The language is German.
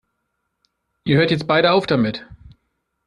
Ihr hört jetzt beide auf damit!